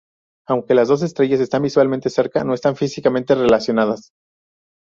Aunque las dos estrellas están visualmente cerca no están físicamente relacionadas.